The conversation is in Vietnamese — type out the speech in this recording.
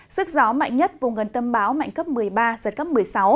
sức gió mạnh nhất vùng gần tâm bão mạnh cấp một mươi ba giật cấp một mươi sáu